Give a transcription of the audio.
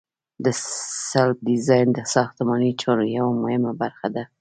د سلب ډیزاین د ساختماني چارو یوه مهمه برخه ده